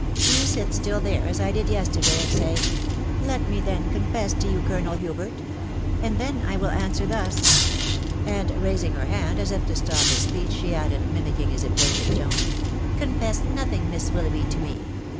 ...." Do you sit still there, as I did yesterday, and ssy, ' Let me then confess to you, Colonel Hubert,' .... and then I will answer thus," .... and raising her hand, as if to stop his speech, she added, mimicking his impatient tone, —"' Confess nothing, Miss Wi Hough by, to me